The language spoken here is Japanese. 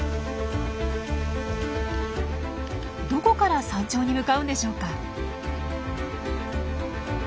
どこから山頂に向かうんでしょうか？